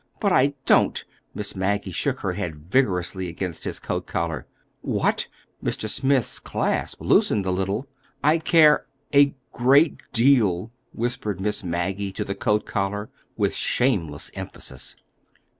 "But I don't!" Miss Maggie shook her head vigorously against his coat collar. "What?" Mr. Smith's clasp loosened a little. "I care—a great deal," whispered Miss Maggie to the coat collar, with shameless emphasis.